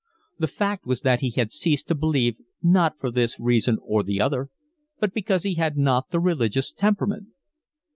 The fact was that he had ceased to believe not for this reason or the other, but because he had not the religious temperament.